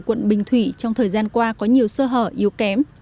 quận bình thủy trong thời gian qua có nhiều sơ hở yếu kém